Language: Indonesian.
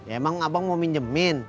emang abang mau minjemin